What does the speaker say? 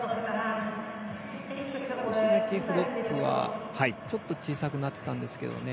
少しだけフロップはちょっと小さくなってたんですけどね。